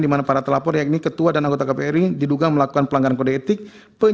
di mana perlatar lapor yang ini ketua dan anggota kprd diduga melakukan pelanggaran pemilu